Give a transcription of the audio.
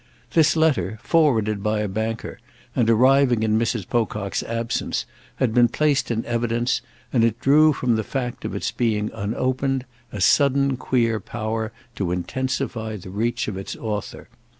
This letter, forwarded by a banker and arriving in Mrs. Pocock's absence, had been placed in evidence, and it drew from the fact of its being unopened a sudden queer power to intensify the reach of its author.